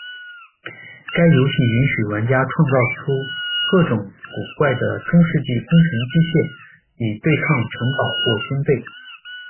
该游戏允许玩家创造出各种古怪的中世纪攻城机械，以对抗城堡或军队。